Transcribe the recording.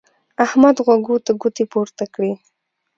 احمد غوږو ته ګوتې پورته کړې.